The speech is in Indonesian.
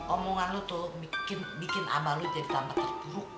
omongan lu tuh bikin abah lu jadi tampak terburuk tau